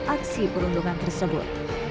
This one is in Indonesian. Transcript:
aksi perundungan tersebut